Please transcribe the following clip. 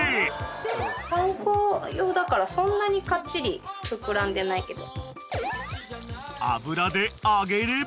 パン粉用だからそんなにかっちり膨らんでないけど。